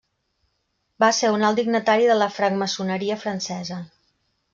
Va ser un alt dignatari de la francmaçoneria francesa.